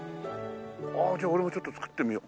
ああじゃあ俺もちょっと作ってみよう。